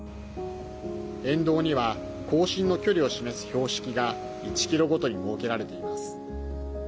沿道には行進の距離を示す標識が１ｋｍごとに設けられています。